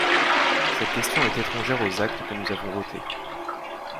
Cette question est étrangère aux actes que nous avons votés.